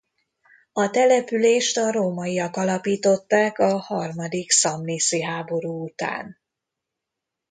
A települést a rómaiak alapították a harmadik szamniszi háború után.